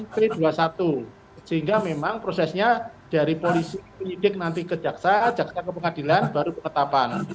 p dua puluh satu sehingga memang prosesnya dari polisi penyidik nanti ke jaksa jaksa ke pengadilan baru penetapan